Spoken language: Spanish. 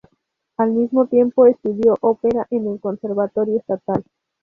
Al mismo tiempo estudió ópera en el conservatorio estatal.